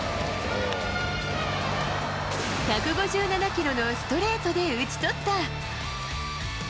１５７キロのストレートで打ち取った。